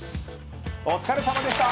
お疲れさまでした。